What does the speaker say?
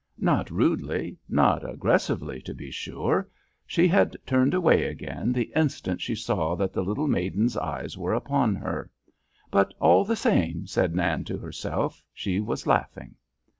Not rudely, not aggressively, to be sure, she had turned away again the instant she saw that the little maiden's eyes were upon her, but all the same, said Nan to herself, she was laughing.